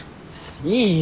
いいよ！